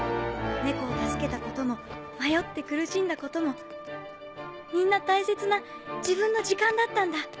猫を助けたことも迷って苦しんだこともみんな大切な自分の時間だったんだ